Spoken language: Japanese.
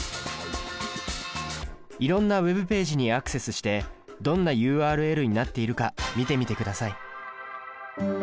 いろんなＷｅｂページにアクセスしてどんなＵＲＬになっているか見てみてください。